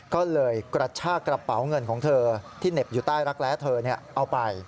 ก็เลยกระชากระเป๋าเงินของเธอที่เหน็บอยู่ใต้รักแร้เธอเอาไป